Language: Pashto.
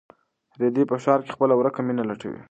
رېدی په ښار کې خپله ورکه مینه لټوي.